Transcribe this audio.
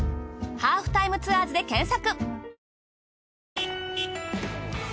『ハーフタイムツアーズ』で検索。